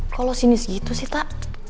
kok lo sinis gitu sih tak